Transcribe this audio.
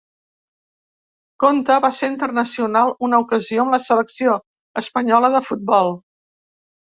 Conte va ser internacional una ocasió amb la selecció espanyola de futbol.